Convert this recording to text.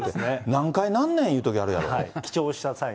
何回なんねんいうときあるやろ。